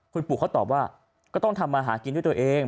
คุณปู่เขาตอบว่าก็ต้องทำมาหากินด้วยตัวเอง